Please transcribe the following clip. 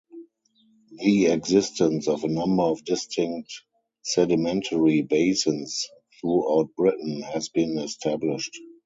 The existence of a number of distinct sedimentary basins throughout Britain has been established.